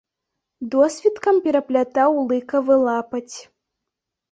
Досвіткам пераплятаў лыкавы лапаць.